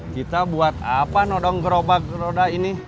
kita buat apa nodong gerobak gerobak ini